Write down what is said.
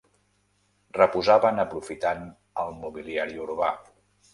Reposaven aprofitant el mobiliari urbà.